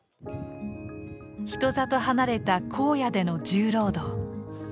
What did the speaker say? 人里離れた荒野での重労働。